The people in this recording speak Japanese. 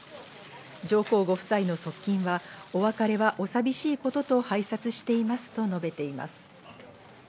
上皇ご夫妻の側近はお別れはお寂しいことと拝察していますと述べています。